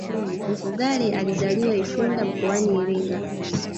mfugale alizaliwa ifunda mkoani iringa